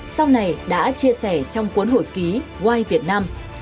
sau này đã chia sẻ trong cuốn hội ký wy việt nam